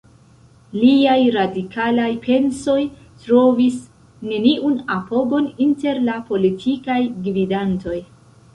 Liaj radikalaj pensoj trovis neniun apogon inter la politikaj gvidantoj.